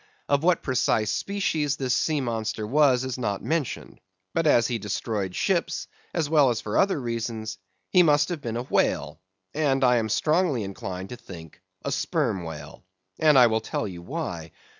Of what precise species this sea monster was, is not mentioned. But as he destroyed ships, as well as for other reasons, he must have been a whale; and I am strongly inclined to think a sperm whale. And I will tell you why.